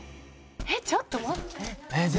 えっちょっと待って。